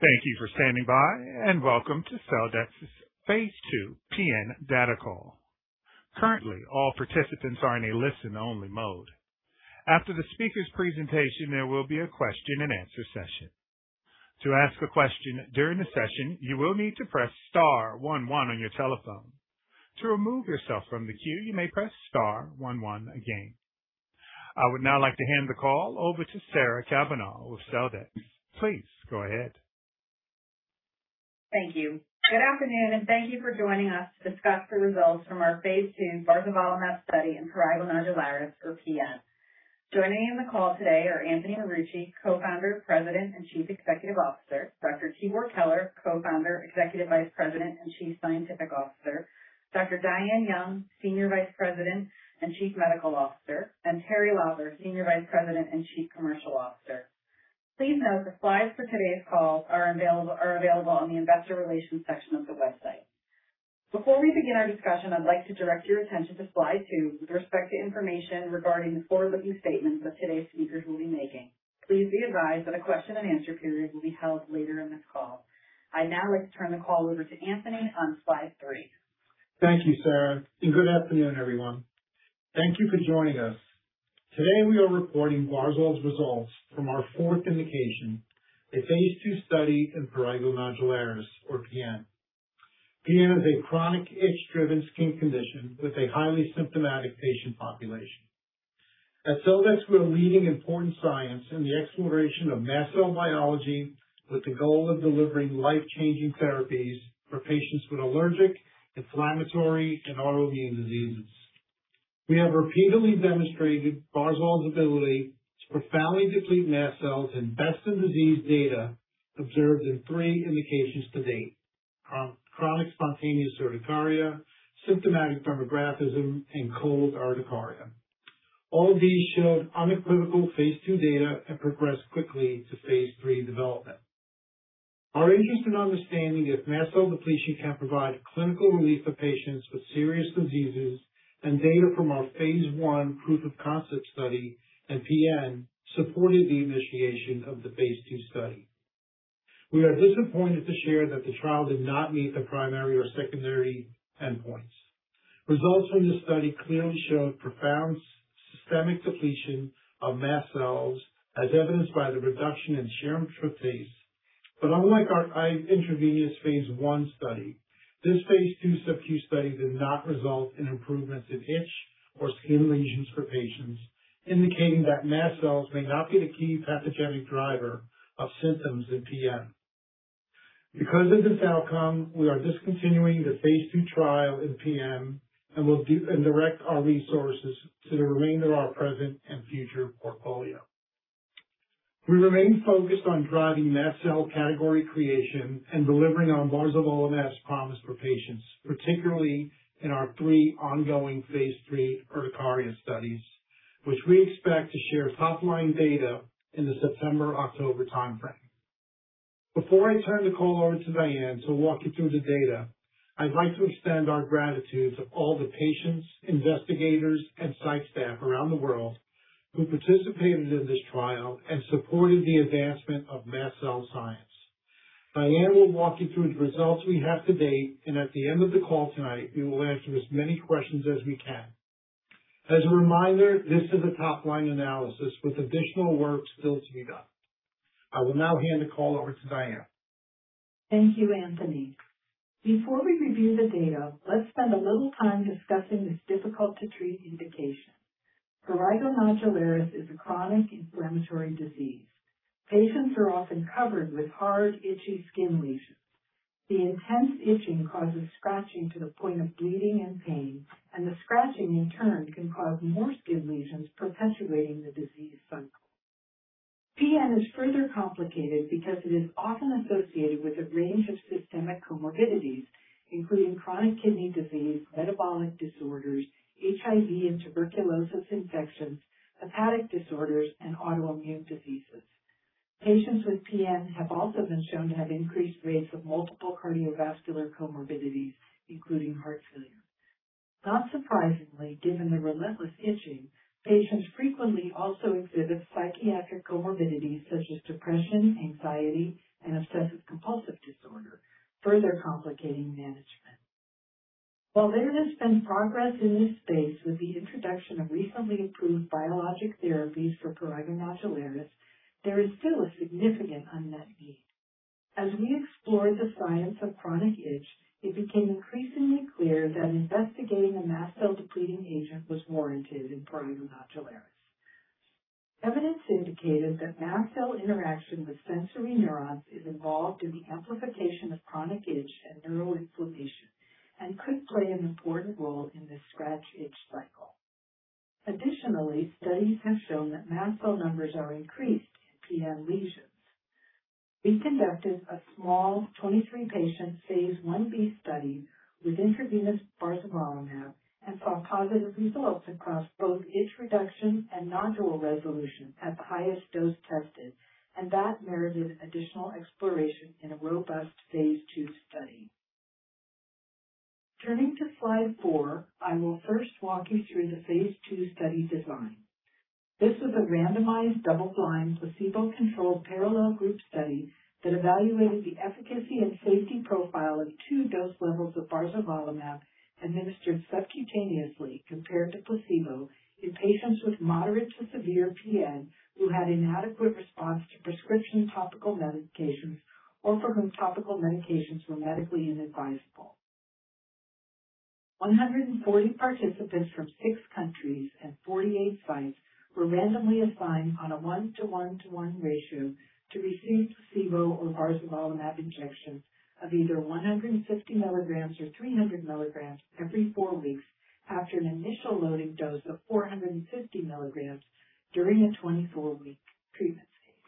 Thank you for standing by, and welcome to Celldex's phase II PN Data Call. Currently, all participants are in a listen-only mode. After the speaker's presentation, there will be a question-and-answer session. To ask a question during the session, you will need to press star one one on your telephone. To remove yourself from the queue, you may press star one one again. I would now like to hand the call over to Sarah Cavanaugh with Celldex. Please go ahead. Thank you. Good afternoon, and thank you for joining us to discuss the results from our phase II barzolvolimab study in prurigo nodularis, or PN. Joining in the call today are Anthony Marucci, Co-founder, President, and Chief Executive Officer, Dr. Tibor Keler, Co-founder, Executive Vice President, and Chief Scientific Officer, Dr. Diane Young, Senior Vice President and Chief Medical Officer, and Teri Lawver, Senior Vice President and Chief Commercial Officer. Please note the slides for today's call are available on the investor relations section of the website. Before we begin our discussion, I'd like to direct your attention to slide two with respect to information regarding the forward-looking statements that today's speakers will be making. Please be advised that a question-and-answer period will be held later in this call. I'd now like to turn the call over to Anthony on slide three. Thank you, Sarah, good afternoon, everyone. Thank you for joining us. Today, we are reporting barzo's results from our fourth indication, a phase II study in prurigo nodularis, or PN. PN is a chronic itch-driven skin condition with a highly symptomatic patient population. At Celldex, we're leading important science in the exploration of mast cell biology with the goal of delivering life-changing therapies for patients with allergic, inflammatory, and autoimmune diseases. We have repeatedly demonstrated barzol's ability to profoundly deplete mast cells in best-in-disease data observed in three indications to date: chronic spontaneous urticaria, symptomatic dermographism, and cold urticaria. All of these showed unequivocal phase II data and progressed quickly to phase III development. Our interest in understanding if mast cell depletion can provide clinical relief for patients with serious diseases and data from our phase I proof-of-concept study in PN supported the initiation of the phase II study. We are disappointed to share that the trial did not meet the primary or secondary endpoints. Results from this study clearly showed profound systemic depletion of mast cells, as evidenced by the reduction in serum tryptase. Unlike our intravenous phase I study, this phase II subQ study did not result in improvements in itch or skin lesions for patients, indicating that mast cells may not be the key pathogenic driver of symptoms in PN. Because of this outcome, we are discontinuing the phase II trial in PN and will direct our resources to the remainder of our present and future portfolio. We remain focused on driving mast cell category creation and delivering on barzolvolimab's promise for patients, particularly in our three ongoing phase III urticaria studies, which we expect to share top-line data in the September-October timeframe. Before I turn the call over to Diane to walk you through the data, I'd like to extend our gratitude to all the patients, investigators, and site staff around the world who participated in this trial and supported the advancement of mast cell science. Diane will walk you through the results we have to date, and at the end of the call tonight, we will answer as many questions as we can. As a reminder, this is a top-line analysis with additional work still to be done. I will now hand the call over to Diane. Thank you, Anthony. Before we review the data, let's spend a little time discussing this difficult-to-treat indication. Prurigo nodularis is a chronic inflammatory disease. Patients are often covered with hard, itchy skin lesions. The intense itching causes scratching to the point of bleeding and pain, and the scratching, in turn, can cause more skin lesions, perpetuating the disease cycle. PN is further complicated because it is often associated with a range of systemic comorbidities, including chronic kidney disease, metabolic disorders, HIV and tuberculosis infections, hepatic disorders, and autoimmune diseases. Patients with PN have also been shown to have increased rates of multiple cardiovascular comorbidities, including heart failure. Not surprisingly, given the relentless itching, patients frequently also exhibit psychiatric comorbidities such as depression, anxiety, and obsessive-compulsive disorder, further complicating management. While there has been progress in this space with the introduction of recently approved biologic therapies for prurigo nodularis, there is still a significant unmet need. As we explored the science of chronic itch, it became increasingly clear that investigating a mast cell-depleting agent was warranted in prurigo nodularis. Evidence indicated that mast cell interaction with sensory neurons is involved in the amplification of chronic itch and neural inflammation and could play an important role in the scratch-itch cycle. Additionally, studies have shown that mast cell numbers are increased in PN lesions. We conducted a small 23 patient phase I-B study with intravenous barzolvolimab and saw positive results across both itch reduction and nodule resolution at the highest dose tested, and that merited additional exploration in a robust phase II study. Turning to slide four, I will first walk you through the phase II study design. This was a randomized, double-blind, placebo-controlled, parallel group study that evaluated the efficacy and safety profile of two dose levels of barzolvolimab administered subcutaneously compared to placebo in patients with moderate to severe PN who had inadequate response to prescription topical medications or for whom topical medications were medically inadvisable. 140 participants from six countries and 48 sites were randomly assigned on a one-to-one-to-one ratio to receive placebo or barzolvolimab injections of either 150 mg or 300 mg every four weeks after an initial loading dose of 450 mg during a 24-week treatment phase.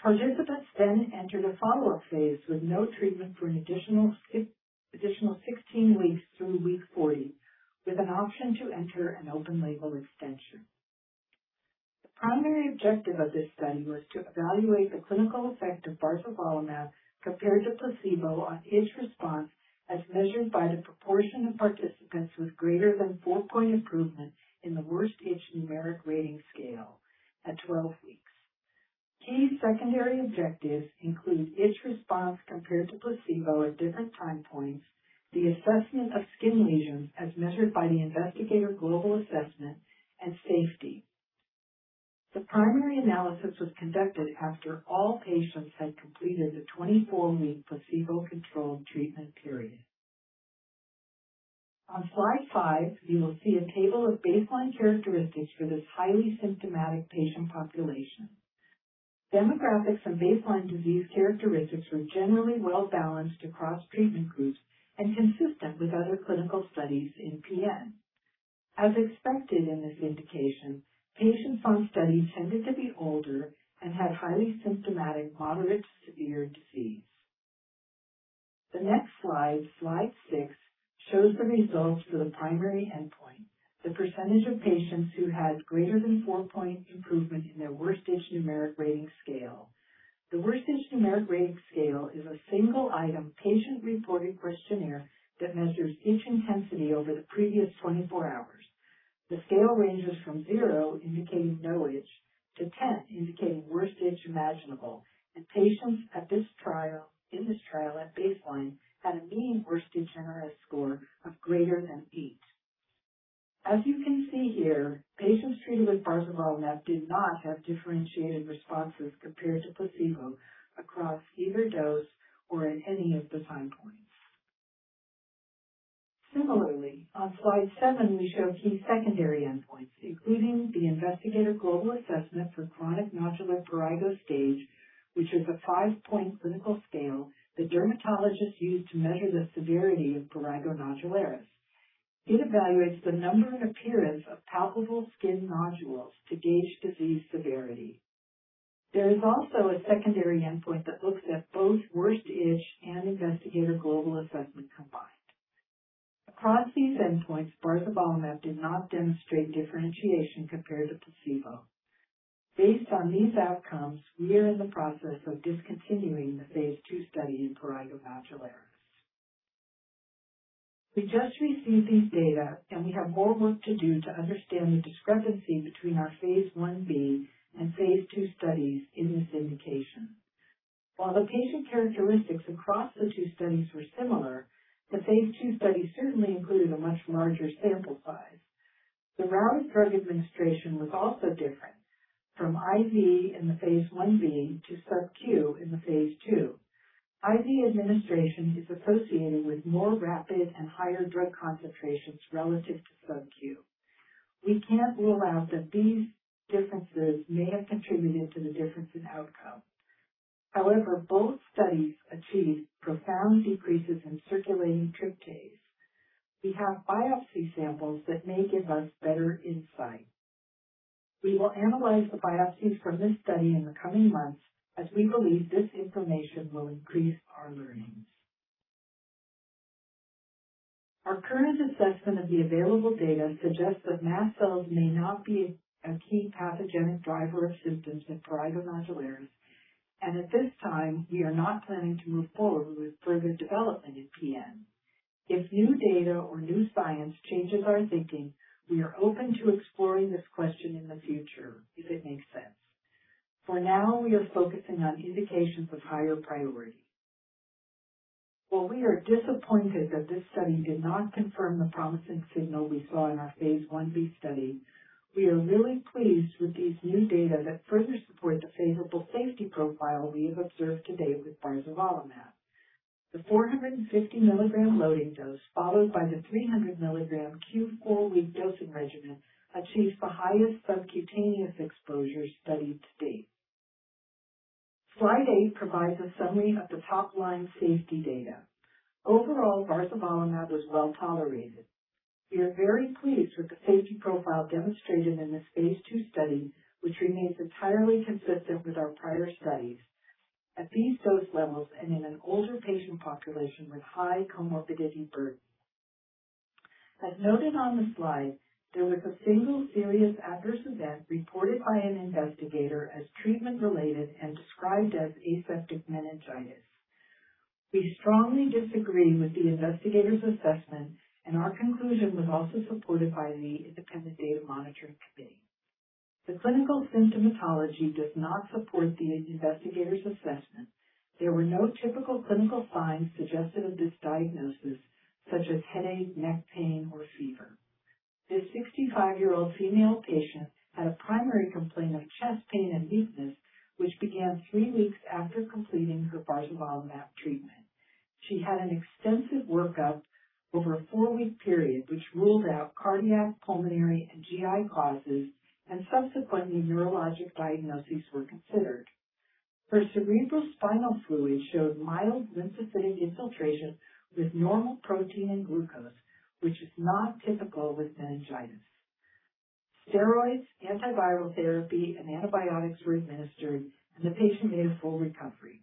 Participants then entered a follow-up phase with no treatment for an additional 16 weeks through week 40, with an option to enter an open label extension. The primary objective of this study was to evaluate the clinical effect of barzolvolimab compared to placebo on itch response, as measured by the proportion of participants with greater than four-point improvement in the worst itch numeric rating scale at 12 weeks. Key secondary objectives include itch response compared to placebo at different time points, the assessment of skin lesions as measured by the investigator global assessment, and safety. The primary analysis was conducted after all patients had completed the 24-week placebo-controlled treatment period. On slide five, you will see a table of baseline characteristics for this highly symptomatic patient population. Demographics and baseline disease characteristics were generally well-balanced across treatment groups and consistent with other clinical studies in PN. As expected in this indication, patients on study tended to be older and had highly symptomatic, moderate to severe disease. The next slide six, shows the results for the primary endpoint, the percentage of patients who had greater than four-point improvement in their worst itch numeric rating scale. The worst itch numeric rating scale is a single item patient-reported questionnaire that measures itch intensity over the previous 24 hours. The scale ranges from zero, indicating no itch, to 10, indicating worst itch imaginable. Patients in this trial at baseline had a mean worst itch numeric score of greater than eight. As you can see here, patients treated with barzolvolimab did not have differentiated responses compared to placebo across either dose or at any of the time points. Similarly, on slide seven, we show key secondary endpoints, including the Investigator's Global Assessment for Chronic Nodular Prurigo - Stage, which is a five-point clinical scale that dermatologists use to measure the severity of prurigo nodularis. It evaluates the number and appearance of palpable skin nodules to gauge disease severity. There is also a secondary endpoint that looks at both worst itch and Investigator's Global Assessment combined. Across these endpoints, barzolvolimab did not demonstrate differentiation compared to placebo. Based on these outcomes, we are in the process of discontinuing the phase II study in prurigo nodularis. We just received these data, we have more work to do to understand the discrepancy between our phase I-B and phase II studies in this indication. While the patient characteristics across the two studies were similar, the phase II study certainly included a much larger sample size. The route of drug administration was also different, from IV in the phase I-B to subQ in the phase II. IV administration is associated with more rapid and higher drug concentrations relative to subQ. We can't rule out that these differences may have contributed to the difference in outcome. However, both studies achieved profound decreases in circulating tryptase. We have biopsy samples that may give us better insight. We will analyze the biopsies from this study in the coming months as we believe this information will increase our learnings. Our current assessment of the available data suggests that mast cells may not be a key pathogenic driver of symptoms with prurigo nodularis. At this time, we are not planning to move forward with further development in PN. If new data or new science changes our thinking, we are open to exploring this question in the future if it makes sense. For now, we are focusing on indications of higher priority. While we are disappointed that this study did not confirm the promising signal we saw in our phase I-B study, we are really pleased with these new data that further support the favorable safety profile we have observed to date with barzolvolimab. The 450 mg loading dose, followed by the 300 mg Q4W dosing regimen, achieved the highest subcutaneous exposure studied to date. Slide eight provides a summary of the top-line safety data. Overall, barzolvolimab was well tolerated. We are very pleased with the safety profile demonstrated in this phase II study, which remains entirely consistent with our prior studies. At these dose levels, and in an older patient population with high comorbidity burden. As noted on the slide, there was a single serious adverse event reported by an investigator as treatment-related and described as aseptic meningitis. We strongly disagree with the investigator's assessment, and our conclusion was also supported by the independent data monitoring committee. The clinical symptomatology does not support the investigator's assessment. There were no typical clinical signs suggestive of this diagnosis, such as headache, neck pain, or fever. This 65-year-old female patient had a primary complaint of chest pain and weakness, which began three weeks after completing her barzolvolimab treatment. She had an extensive workup over a four-week period, which ruled out cardiac, pulmonary, and GI causes, and subsequently, neurologic diagnoses were considered. Her cerebrospinal fluid showed mild lymphocytic infiltration with normal protein and glucose, which is not typical with meningitis. Steroids, antiviral therapy, and antibiotics were administered, and the patient made a full recovery.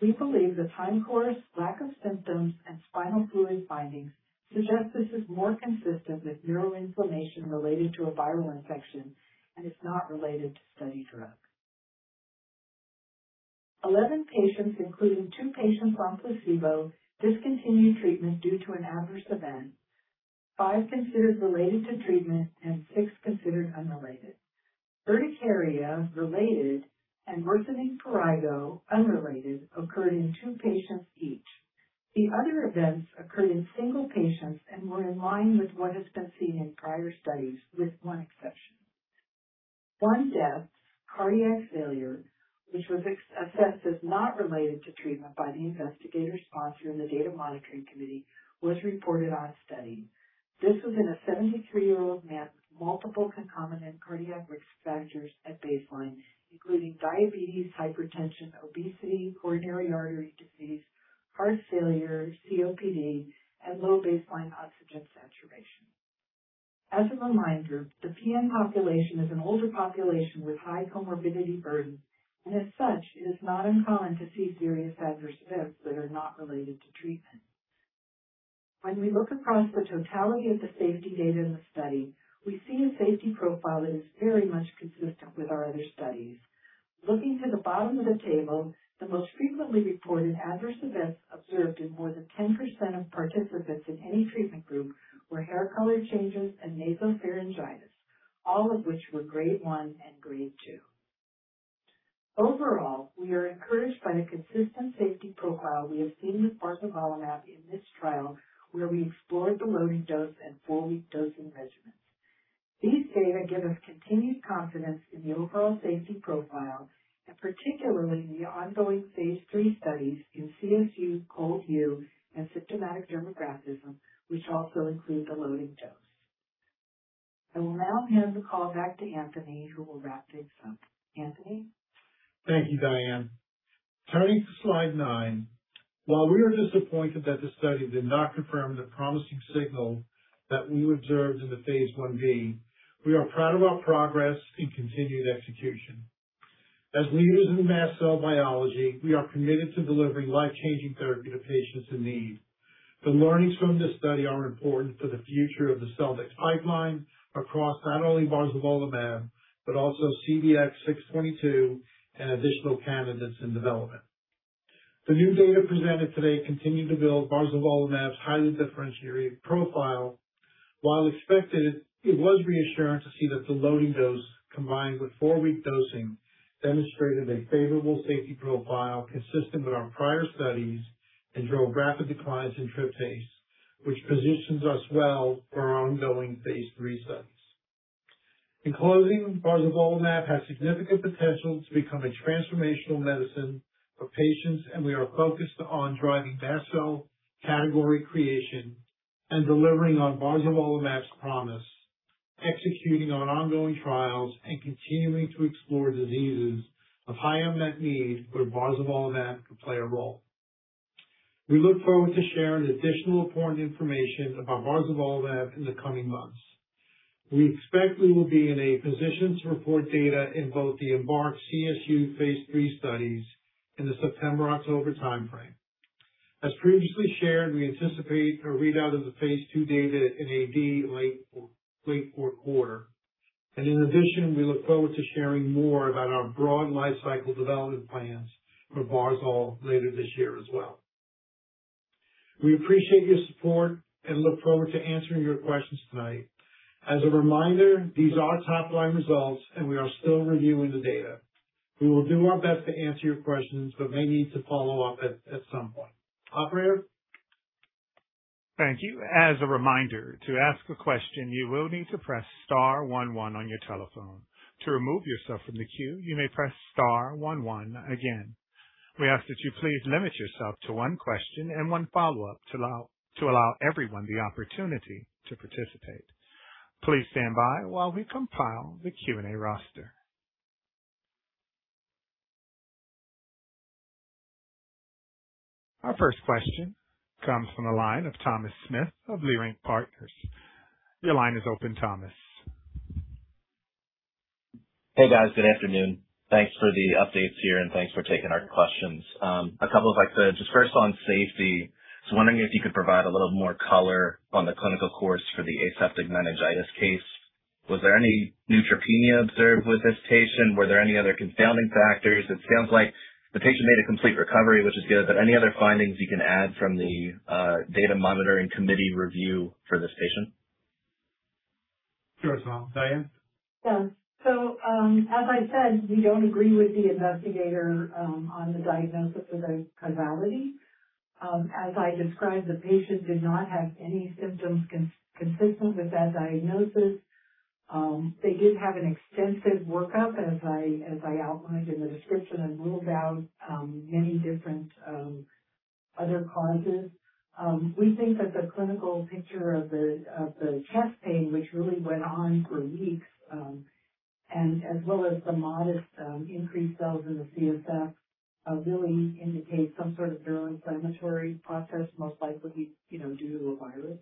We believe the time course, lack of symptoms, and spinal fluid findings suggest this is more consistent with neuroinflammation related to a viral infection and is not related to study drug. 11 patients, including two patients on placebo, discontinued treatment due to an adverse event, five considered related to treatment and six considered unrelated. Urticaria, related, and worsening prurigo, unrelated, occurred in two patients each. The other events occurred in single patients and were in line with what has been seen in prior studies, with one exception. One death, cardiac failure, which was assessed as not related to treatment by the investigator sponsor and the data monitoring committee, was reported on study. This was in a 73-year-old man with multiple concomitant cardiac risk factors at baseline, including diabetes, hypertension, obesity, coronary artery disease, heart failure, COPD, and low baseline oxygen saturation. As a reminder, the PN population is an older population with high comorbidity burden, and as such, it is not uncommon to see serious adverse events that are not related to treatment. When we look across the totality of the safety data in the study, we see a safety profile that is very much consistent with our other studies. Looking to the bottom of the table, the most frequently reported adverse events observed in more than 10% of participants in any treatment group were hair color changes and nasopharyngitis, all of which were Grade 1 and Grade 2. Overall, we are encouraged by the consistent safety profile we have seen with barzolvolimab in this trial, where we explored the loading dose and four-week dosing regimens. These data give us continued confidence in the overall safety profile and particularly in the ongoing phase III studies in CSU, ColdU, and symptomatic dermographism, which also include the loading dose. I will now hand the call back to Anthony, who will wrap things up. Anthony? Thank you, Diane. Turning to slide nine. While we are disappointed that the study did not confirm the promising signal that we observed in the phase I-B, we are proud of our progress and continued execution. As leaders in mast cell biology, we are committed to delivering life-changing therapy to patients in need. The learnings from this study are important for the future of the Celldex pipeline across not only barzolvolimab, but also CDX-622 and additional candidates in development. The new data presented today continue to build barzolvolimab's highly differentiated profile. While expected, it was reassuring to see that the loading dose combined with four-week dosing demonstrated a favorable safety profile consistent with our prior studies and drove rapid declines in tryptase, which positions us well for our ongoing phase III studies. In closing, barzolvolimab has significant potential to become a transformational medicine for patients, we are focused on driving mast cell category creation and delivering on barzolvolimab's promise, executing on ongoing trials, and continuing to explore diseases of high unmet need where barzolvolimab could play a role. We look forward to sharing additional important information about barzolvolimab in the coming months. We expect we will be in a position to report data in both the EMBARQ CSU phase III studies in the September/October timeframe. As previously shared, we anticipate a readout of the phase II data in AD late fourth quarter. In addition, we look forward to sharing more about our broad life cycle development plans for barzol later this year as well. We appreciate your support and look forward to answering your questions tonight. As a reminder, these are top-line results, and we are still reviewing the data. We will do our best to answer your questions, but may need to follow up at some point. Operator? Thank you. As a reminder, to ask a question, you will need to press star one one on your telephone. To remove yourself from the queue, you may press star one one again. We ask that you please limit yourself to one question and one follow-up to allow everyone the opportunity to participate. Please stand by while we compile the Q&A roster. Our first question comes from the line of Thomas Smith of Leerink Partners. Your line is open, Thomas. Hey guys, good afternoon. Thanks for the updates here, thanks for taking our questions. Just first on safety, just wondering if you could provide a little more color on the clinical course for the aseptic meningitis case. Was there any neutropenia observed with this patient? Were there any other confounding factors? It sounds like the patient made a complete recovery, which is good, any other findings you can add from the data monitoring committee review for this patient? Sure. Diane? Yeah. As I said, we don't agree with the investigator on the diagnosis of a causality. As I described, the patient did not have any symptoms consistent with that diagnosis. They did have an extensive workup, as I outlined in the description, ruled out many different other causes. We think that the clinical picture of the chest pain, which really went on for weeks, as well as the modest increased cells in the CSF, really indicates some sort of neuroinflammatory process, most likely due to a virus.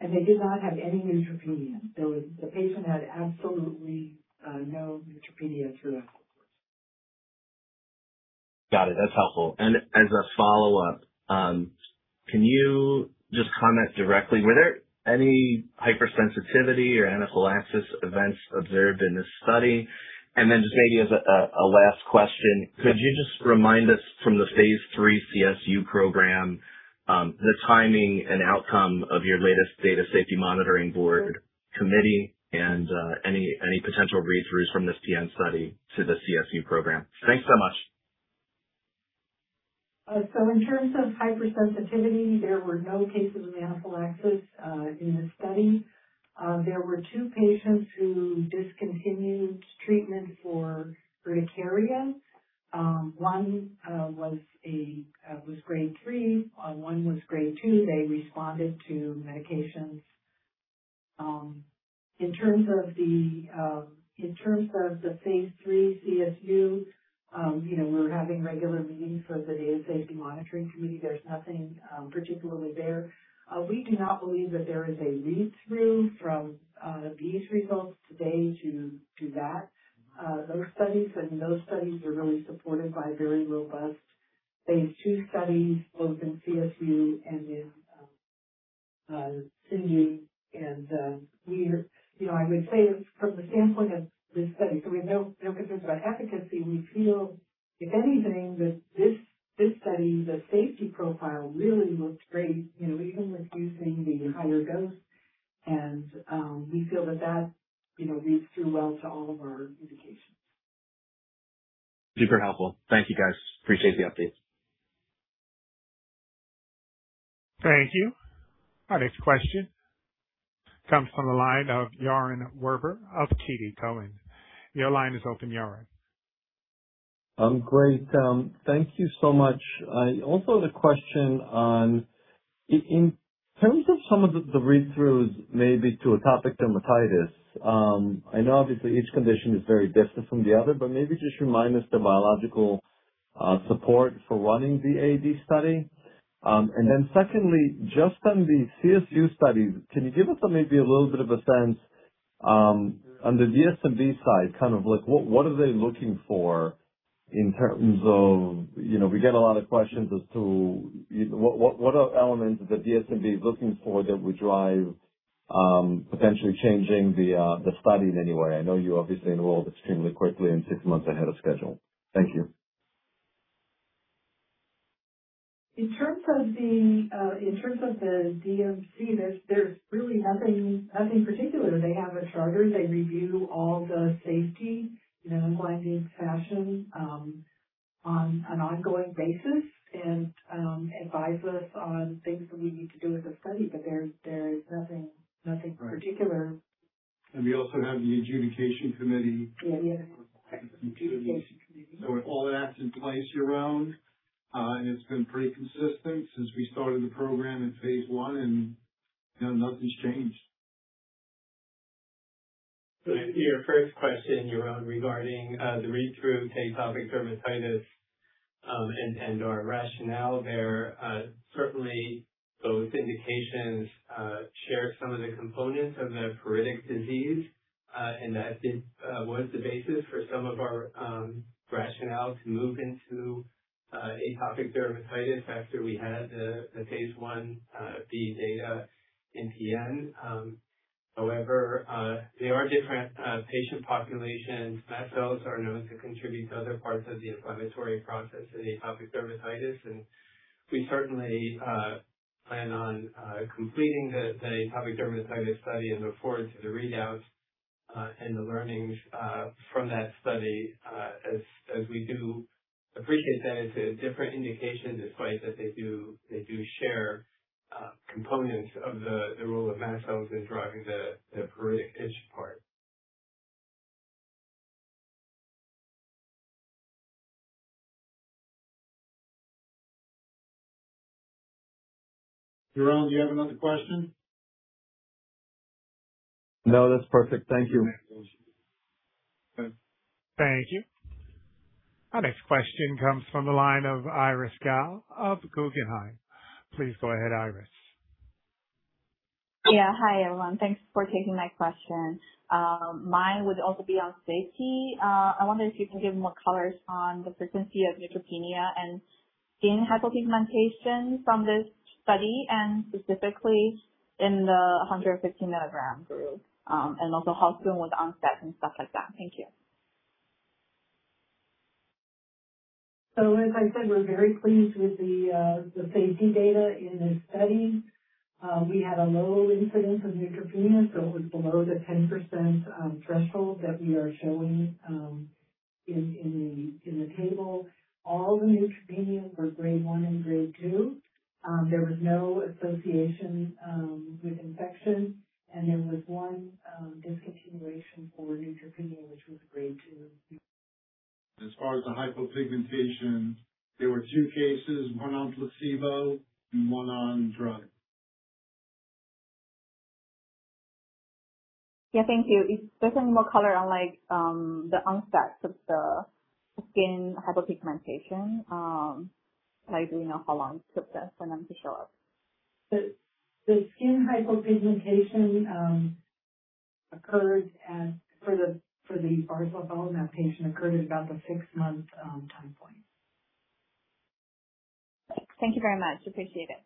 They did not have any neutropenia. The patient had absolutely no neutropenia throughout the course. As a follow-up, can you just comment directly, were there any hypersensitivity or anaphylaxis events observed in this study? Then just maybe as a last question, could you just remind us from the phase III CSU program, the timing and outcome of your latest data safety monitoring board committee and any potential read-throughs from this PN study to the CSU program? Thanks so much. In terms of hypersensitivity, there were no cases of anaphylaxis in the study. There were two patients who discontinued treatment for urticaria. One was Grade 3, one was Grade 2. They responded to medications. In terms of the phase III CSU, we're having regular meetings with the data safety monitoring committee. There's nothing particularly there. We do not believe that there is a read-through from these results today to that. Those studies are really supported by very robust phase II studies, both in CSU and in PN. I would say that from the standpoint of this study, so we have no concerns about efficacy. We feel, if anything, that this study, the safety profile really looks great, even with using the higher dose. We feel that that reads through well to all of our indications. Super helpful. Thank you, guys. Appreciate the update. Thank you. Our next question comes from the line of Yaron Werber of TD Cowen. Your line is open, Yaron. Also, the question on, in terms of some of the read-throughs, maybe to atopic dermatitis. I know obviously each condition is very distant from the other, but maybe just remind us the biological support for running the AD study. Secondly, just on the CSU study, can you give us maybe a little bit of a sense on the DSMB side, what are they looking for in terms of? We get a lot of questions as to what are elements that DSMB is looking for that would drive potentially changing the study in any way. I know you obviously enrolled extremely quickly and six months ahead of schedule. Thank you. In terms of the DSMB, there's really nothing particular. They have a charter. They review all the safety in a blinded fashion on an ongoing basis and advise us on things that we need to do with the study, there is nothing particular. We also have the adjudication committee. Yeah. The adjudication committee. All that's in place, Yaron, and it's been pretty consistent since we started the program in phase I, nothing's changed. To your first question, Yaron, regarding the read-through to atopic dermatitis and/or rationale there. Certainly, those indications share some of the components of the pruritic disease, and that was the basis for some of our rationale to move into atopic dermatitis after we had the phase I-B data in PN. However, they are different patient populations. Mast cells are known to contribute to other parts of the inflammatory process in atopic dermatitis, and we certainly plan on completing the atopic dermatitis study and look forward to the readouts and the learnings from that study, as we do appreciate that it's a different indication despite that they do share components of the role of mast cells in driving the pruritic itch part. Yaron, do you have another question? No, that's perfect. Thank you. Okay. Thank you. Our next question comes from the line of Iris Gao of Guggenheim. Please go ahead, Iris. Yeah. Hi, everyone. Thanks for taking my question. Mine would also be on safety. I wonder if you can give more colors on the frequency of neutropenia and skin hypopigmentation from this study, specifically in the 150 mg group. Also how soon was onset and stuff like that. Thank you. As I said, we're very pleased with the safety data in this study. We had a low incidence of neutropenia, it was below the 10% threshold that we are showing in the table. All the neutropenia were Grade 1 and Grade 2. There was no association with infection. There was one discontinuation for neutropenia, which was Grade 2. As far as the hypopigmentation, there were two cases, one on placebo and one on drug. Yeah, thank you. Is there any more color on the onset of the skin hypopigmentation? Like, do you know how long it took for them to show up? The skin hypopigmentation occurred, for the barzolvolimab patient, occurred at about the six-month time point. Thank you very much. Appreciate it.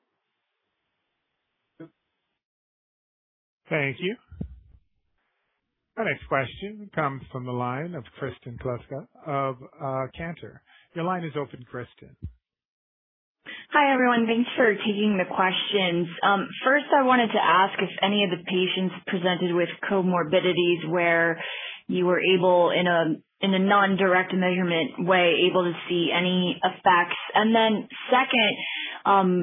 Yep. Thank you. Our next question comes from the line of Kristen Kluska of Cantor. Your line is open, Kristen. Hi, everyone. Thanks for taking the questions. First, I wanted to ask if any of the patients presented with comorbidities where you were able, in a non-direct measurement way, able to see any effects. Second,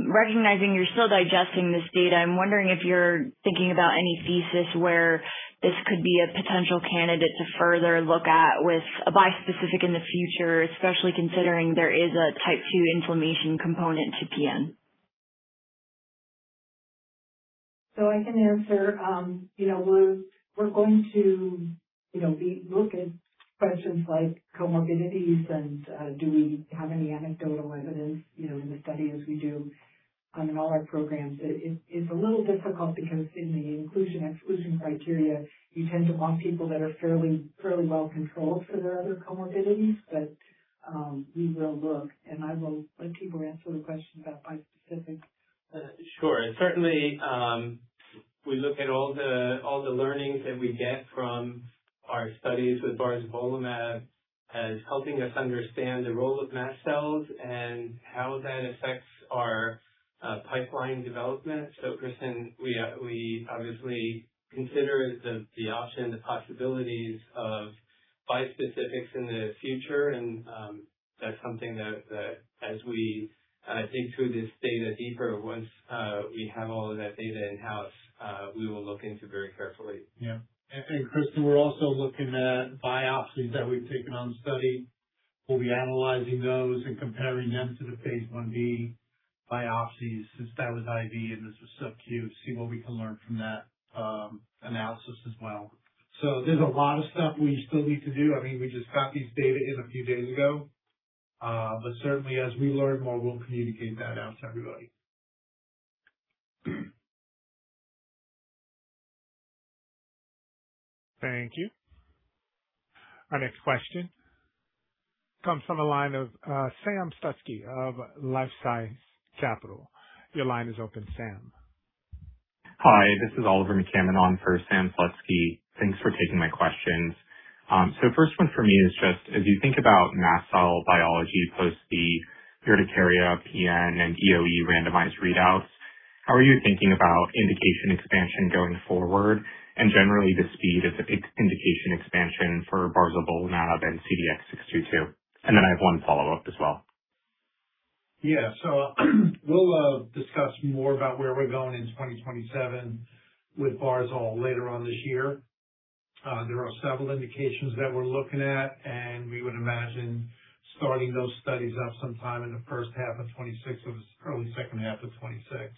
recognizing you're still digesting this data, I'm wondering if you're thinking about any thesis where this could be a potential candidate to further look at with a bispecific in the future, especially considering there is a Type 2 inflammation component to PN. I can answer. We're going to look at questions like comorbidities and do we have any anecdotal evidence in the study as we do in all our programs. It's a little difficult because in the inclusion/exclusion criteria, you tend to want people that are fairly well controlled for their other comorbidities. We will look and I will let Tibor answer the question about bispecific. Sure. Certainly, we look at all the learnings that we get from our studies with barzolvolimab as helping us understand the role of mast cells and how that affects our pipeline development. Kristen, we obviously consider the option, the possibilities of bispecifics in the future. That's something that as we dig through this data deeper, once we have all of that data in-house, we will look into very carefully. Yeah. Kristen, we're also looking at biopsies that we've taken on study. We'll be analyzing those and comparing them to the phase I-B biopsies since that was IV and this was subQ, see what we can learn from that analysis as well. There's a lot of stuff we still need to do. I mean, we just got these data in a few days ago. Certainly as we learn more, we'll communicate that out to everybody. Thank you. Our next question comes from the line of Sam Slutsky of LifeSci Capital. Your line is open, Sam. Hi, this is Oliver McCammon on for Sam Slutsky. Thanks for taking my questions. First one for me is just as you think about mast cell biology post the urticaria, PN, and EoE randomized readouts, how are you thinking about indication expansion going forward and generally the speed of indication expansion for barzolvolimab and CDX-622? Then I have one follow-up as well. Yeah. We'll discuss more about where we're going in 2027 with barzo later on this year. There are several indications that we're looking at, we would imagine starting those studies up sometime in the first half of 2026 or early second half of 2026.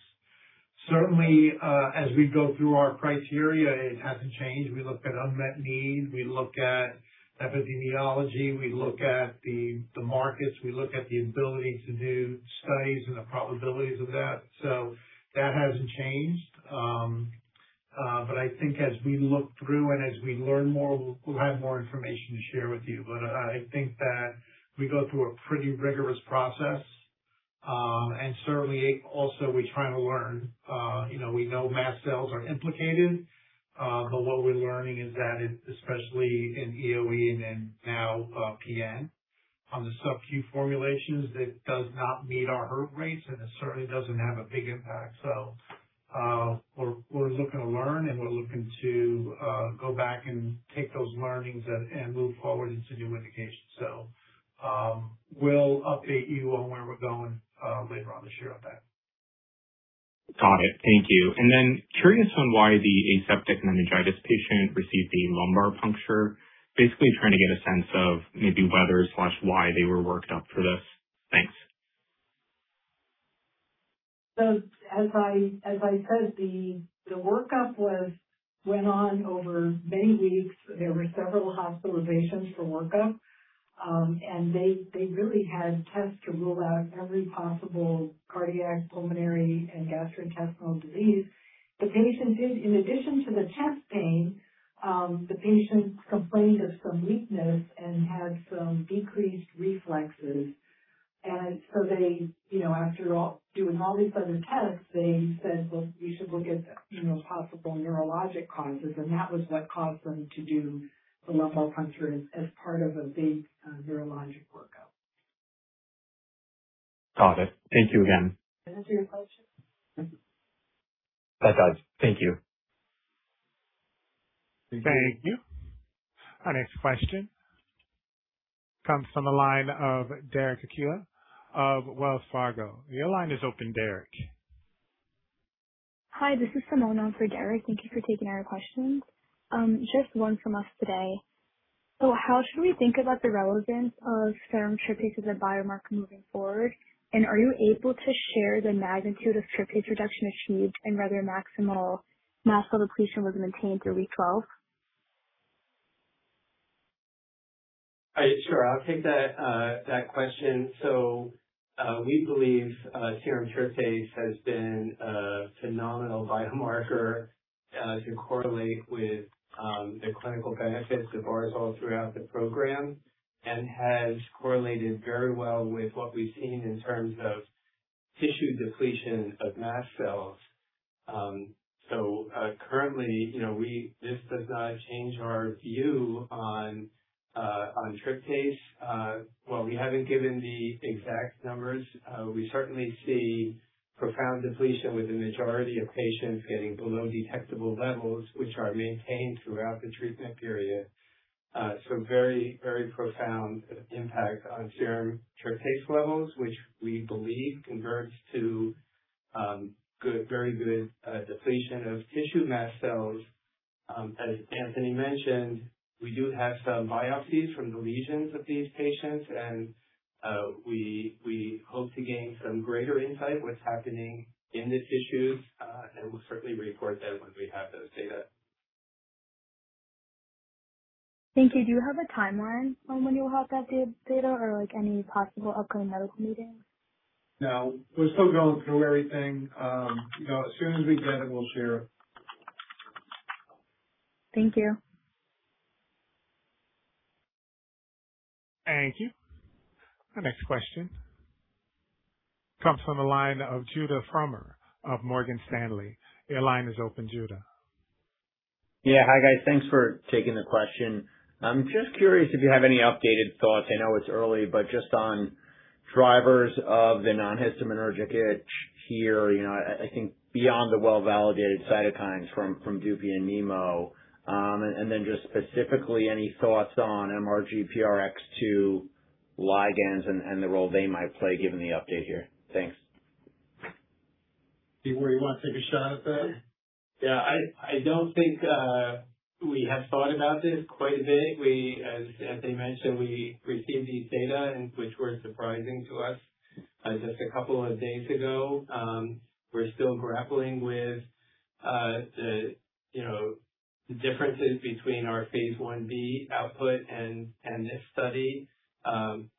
Certainly, as we go through our criteria, it hasn't changed. We look at unmet need, we look at epidemiology, we look at the markets, we look at the ability to do studies and the probabilities of that. That hasn't changed. I think as we look through and as we learn more, we'll have more information to share with you. I think that we go through a pretty rigorous process. Certainly, also we try to learn. We know mast cells are implicated. What we're learning is that, especially in EoE and in now PN, on the subQ formulations, that does not meet our hurdle rates, it certainly doesn't have a big impact. We're looking to learn, we're looking to go back and take those learnings and move forward into new indications. We'll update you on where we're going later on this year on that. Got it. Thank you. Curious on why the aseptic meningitis patient received the lumbar puncture, basically trying to get a sense of maybe whether/why they were worked up for this. Thanks. As I said, the workup was Went on over many weeks. There were several hospitalizations for workup. They really had tests to rule out every possible cardiac, pulmonary, and gastrointestinal disease. In addition to the chest pain, the patient complained of some weakness and had some decreased reflexes. After doing all these other tests, they said, "Well, we should look at possible neurologic causes." That was what caused them to do the lumbar puncture as part of a big neurologic workup. Got it. Thank you again. Does that answer your question? Mm-hmm. That does. Thank you. Thank you. Our next question comes from the line of Derek Archila of Wells Fargo. Your line is open, Derek. Hi, this is Simona for Derek. Thank you for taking our questions. Just one from us today. How should we think about the relevance of serum tryptase as a biomarker moving forward? Are you able to share the magnitude of tryptase reduction achieved and whether maximal mast cell depletion was maintained through week-12? Sure. I'll take that question. We believe serum tryptase has been a phenomenal biomarker to correlate with the clinical benefits of barzol throughout the program and has correlated very well with what we've seen in terms of tissue depletion of mast cells. Currently, this does not change our view on tryptase. While we haven't given the exact numbers, we certainly see profound depletion with the majority of patients getting below detectable levels, which are maintained throughout the treatment period. Very, very profound impact on serum tryptase levels, which we believe converts to very good depletion of tissue mast cells. As Anthony mentioned, we do have some biopsies from the lesions of these patients, and we hope to gain some greater insight what's happening in these tissues. We'll certainly report that once we have those data. Thank you. Do you have a timeline on when you'll have that data or any possible upcoming medical meetings? No. We're still going through everything. As soon as we get it, we'll share it. Thank you. Thank you. Our next question comes from the line of Judah Frommer of Morgan Stanley. Your line is open, Judah. Yeah. Hi guys. Thanks for taking the question. I'm just curious if you have any updated thoughts, I know it's early, but just on drivers of the non-histaminergic itch here, I think beyond the well-validated cytokines from dupilumab and nemolizumab. Then just specifically, any thoughts on MRGPRX2 ligands and the role they might play given the update here. Thanks. Tibor, where you want to take a shot at that? Yeah. I don't think we have thought about this quite a bit. As they mentioned, we received these data, which were surprising to us just a couple of days ago. We're still grappling with the differences between our phase I-B output and this study,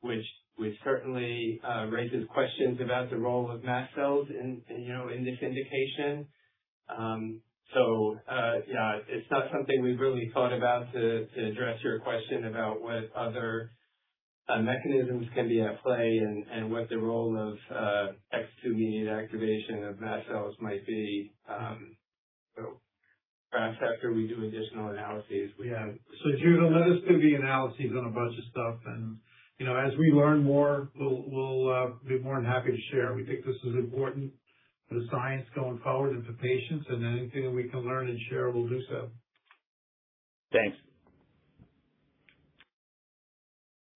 which certainly raises questions about the role of mast cells in this indication. Yeah, it's not something we've really thought about to address your question about what other mechanisms can be at play and what the role of X2-mediated activation of mast cells might be. Perhaps after we do additional analyses, Judah, no, there's going to be analyses on a bunch of stuff and as we learn more, we'll be more than happy to share. We think this is important for the science going forward and for patients, anything that we can learn and share, we'll do so. Thanks.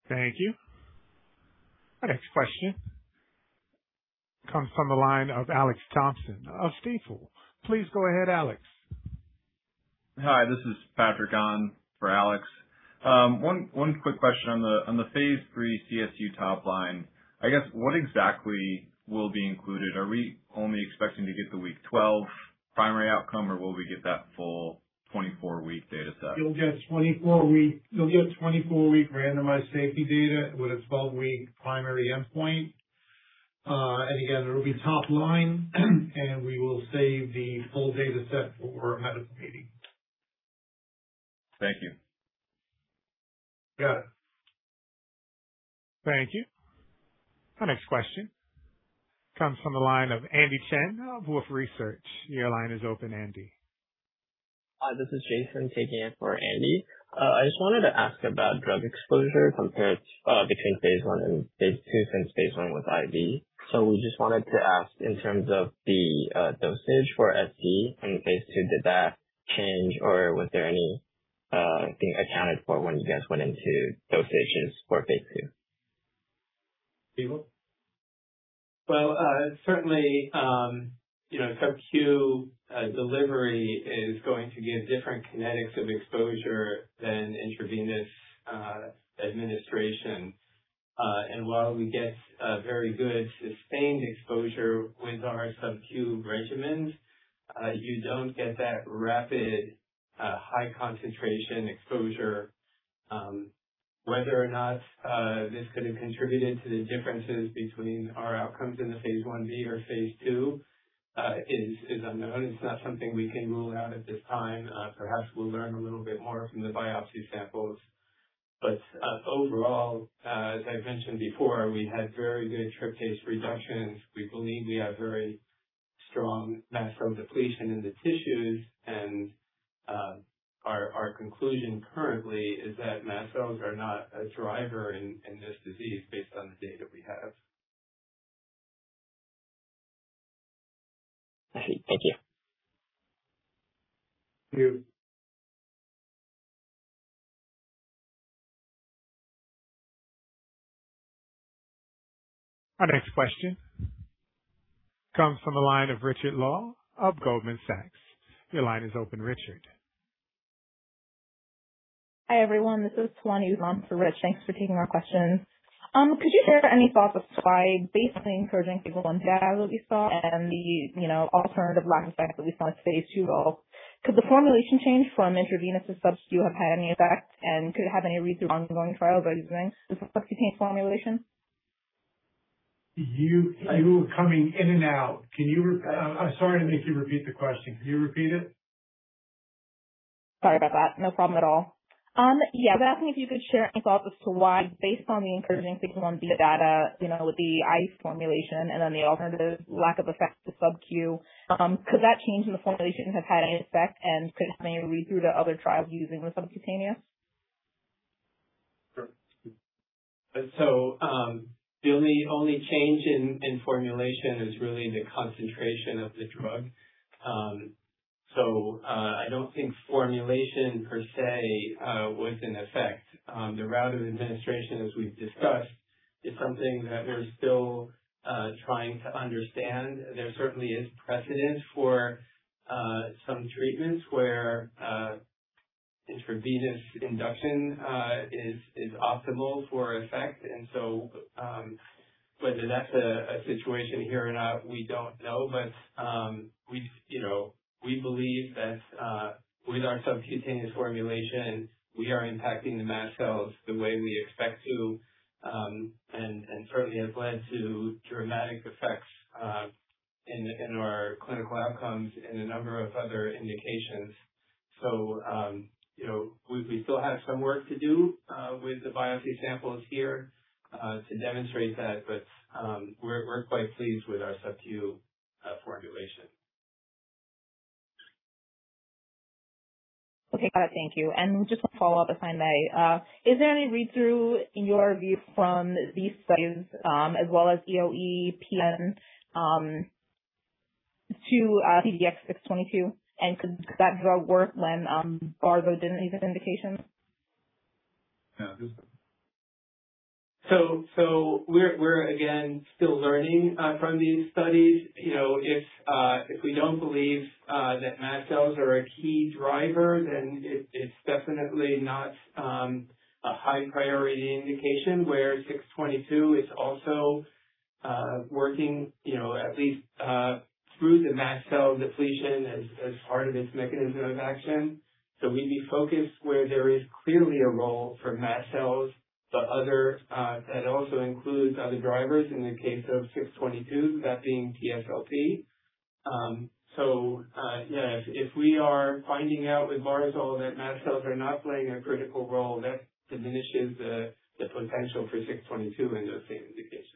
Thank you. Our next question comes from the line of Alex Thompson of Stifel. Please go ahead, Alex. Hi, this is Patrick [John] for Alex. One quick question on the phase III CSU top line. I guess what exactly will be included? Are we only expecting to get the week 12 primary outcome, or will we get that full 24-week data set? You'll get 24-week randomized safety data with a 12-week primary endpoint. Again, it'll be top line, and we will save the full data set for a medical meeting. Thank you. You got it. Thank you. Our next question comes from the line of Andy Chen of Wolfe Research. Your line is open, Andy. Hi, this is Jason taking it for Andy. I just wanted to ask about drug exposure compared between phase I and phase II, since phase I was IV. We just wanted to ask in terms of the dosage for PN in phase II, did that change or was there anything accounted for when you guys went into dosages for phase II? Steve? Well, certainly, subQ delivery is going to give different kinetics of exposure than intravenous administration. While we get very good sustained exposure with our subQ regimens, you don't get that rapid high concentration exposure. Whether or not this could have contributed to the differences between our outcomes in the phase I-B or phase II is unknown. It's not something we can rule out at this time. Perhaps we'll learn a little bit more from the biopsy samples. Overall, as I mentioned before, we had very good tryptase reductions. We believe we have very strong mast cell depletion in the tissues, and our conclusion currently is that mast cells are not a driver in this disease based on the data we have. I see. Thank you. Thank you. Our next question comes from the line of Richard Law of Goldman Sachs. Your line is open, Richard. Hi, everyone. This is Tawani Uzam for Rich. Thanks for taking our questions. Could you share any thoughts as to why, based on the encouraging phase I-B data that we saw and the alternative lack of effect that we saw in phase II though, could the formulation change from intravenous to subQ have had any effect, and could it have any read-through ongoing trials are using the subcutaneous formulation? You are coming in and out. I'm sorry to make you repeat the question. Could you repeat it? Sorry about that. No problem at all. Yeah. I was asking if you could share any thoughts as to why, based on the encouraging phase I-B data with the IV formulation and then the alternative lack of effect to subQ, could that change in the formulation have had any effect, and could it have any read-through to other trials using the subcutaneous? Sure. The only change in formulation is really the concentration of the drug. I don't think formulation per se was in effect. The route of administration, as we've discussed, is something that we're still trying to understand. There certainly is precedent for some treatments where intravenous induction is optimal for effect. Whether that's a situation here or not, we don't know. We believe that with our subQ formulation, we are impacting the mast cells the way we expect to and certainly has led to dramatic effects in our clinical outcomes in a number of other indications. We still have some work to do with the biopsy samples here to demonstrate that, but we're quite pleased with our subQ formulation. Okay. Got it. Thank you. Just a follow-up, if I may. Is there any read-through, in your view, from these studies, as well as EoE, PN, to CDX-622, and could that drug work when Barzo didn't in these indications? We're again, still learning from these studies. If we don't believe that mast cells are a key driver, it's definitely not a high priority indication, where 622 is also working at least through the mast cell depletion as part of its mechanism of action. We be focused where there is clearly a role for mast cells, but that also includes other drivers in the case of 622, that being TSLP. Yeah, if we are finding out with Barzo that mast cells are not playing a critical role, that diminishes the potential for 622 in those same indications.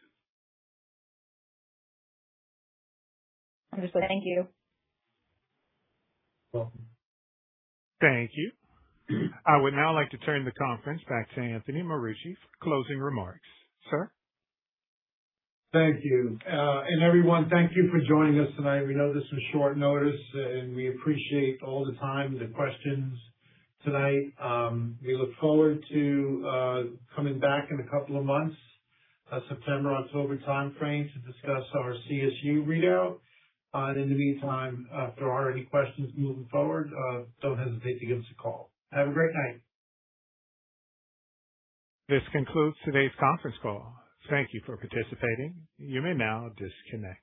Understood. Thank you. You're welcome. Thank you. I would now like to turn the conference back to Anthony Marucci for closing remarks. Sir? Thank you. Everyone, thank you for joining us tonight. We know this was short notice, and we appreciate all the time, the questions tonight. We look forward to coming back in a couple of months, September, October timeframe, to discuss our CSU readout. In the meantime, if there are any questions moving forward, don't hesitate to give us a call. Have a great night. This concludes today's conference call. Thank you for participating. You may now disconnect.